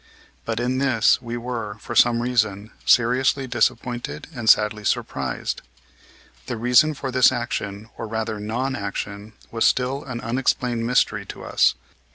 But in this we were, for some reason, seriously disappointed and sadly surprised. The reason for this action, or rather non action, was still an unexplained mystery to us.